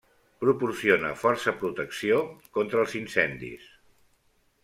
Proporciona força protecció contra els incendis.